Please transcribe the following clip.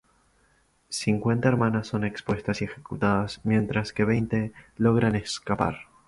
Cincuenta hermanas son expuestas y ejecutadas, mientras que veinte logran escapar.